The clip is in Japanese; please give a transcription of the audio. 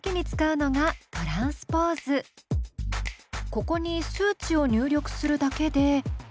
ここに数値を入力するだけで。